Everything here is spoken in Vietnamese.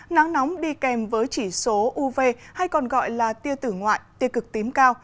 nắng nóng đi kèm với chỉ số uv hay còn gọi là tiêu tử ngoại tiêu cực tím cao